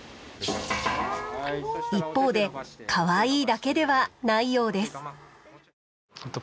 一方でかわいいだけではないようです。